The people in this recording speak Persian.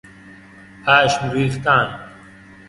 پشم ریختن